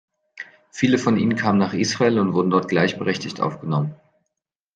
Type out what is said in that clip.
Viele von ihnen kamen nach Israel und wurden dort gleichberechtigt aufgenommen.